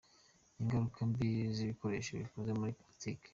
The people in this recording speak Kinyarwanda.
Ingaruka mbi z’ibikoresho bikoze muri Plastic.